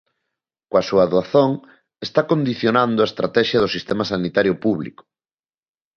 Coa súa doazón está condicionando a estratexia do sistema sanitario público.